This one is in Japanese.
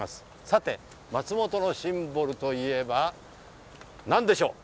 さて松本のシンボルといえばなんでしょう？